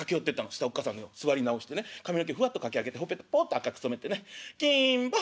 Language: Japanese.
そしたらおっ母さん座り直してね髪の毛ふわっとかき上げてほっぺたポッと赤く染めてね『金坊お前